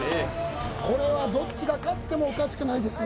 これはどっちが勝ってもおかしくないですよ